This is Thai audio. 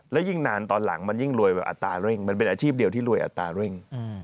แล้วยิ่งนานตอนหลังมันยิ่งรวยแบบอัตราเร่งมันเป็นอาชีพเดียวที่รวยอัตราเร่ง